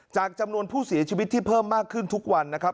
จำนวนผู้เสียชีวิตที่เพิ่มมากขึ้นทุกวันนะครับ